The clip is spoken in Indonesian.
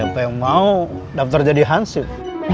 sampai mau daftar jadi hansif